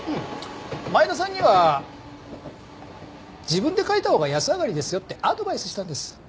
前田さんには自分で書いたほうが安上がりですよってアドバイスしたんです。